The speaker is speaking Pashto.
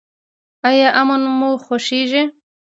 ایا امن مو خوښیږي؟